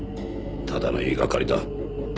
ただの言いがかりだ。